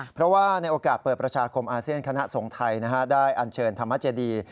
เพราะว่าในโอกาสเปิดประชาคมอาเซียนคณะสงฆ์ไทยได้อันเชิญธรรมเจดี